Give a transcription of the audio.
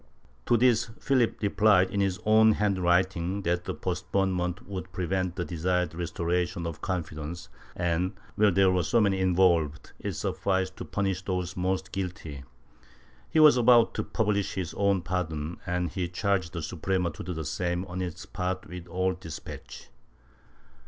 To this Philip replied, in his own handwriting, that the postponement would prevent the desired restoration of confidence and, where there were so many involved, it sufficed to punish those most guilty. He was about to publish his own pardon and he charged the Suprema to do the same on its part with all despatch.